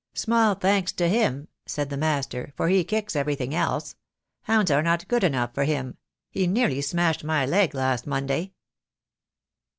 "Small thanks to him," said the Master, "for he kicks everything else. Hounds are not good enough for him. He nearly smashed my leg last Monday."